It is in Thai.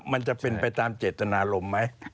มันจะเป็นไปตามเจตนารมณ์ไหม